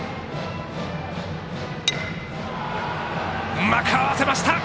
うまく合わせました！